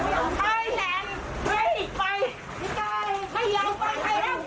เรฟแป๊บแปลวเดียว